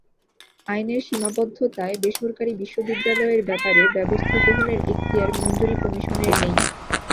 আইনের সীমাবদ্ধতায় বেসরকারি বিশ্ববিদ্যালয়ের ব্যাপারে ব্যবস্থা গ্রহণের এখতিয়ার মঞ্জুরি কমিশনের নেই।